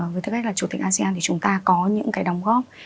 với tư cách là chủ tịch asean thì chúng ta có những cái đóng góp